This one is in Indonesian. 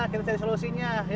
kita cari solusinya ya